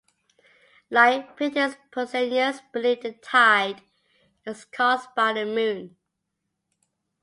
Like Pytheas, Posidonius believed the tide is caused by the moon.